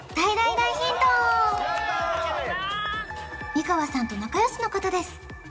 美川さんと仲よしの方です